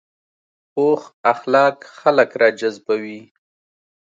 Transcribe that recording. پوخ اخلاق خلک راجذبوي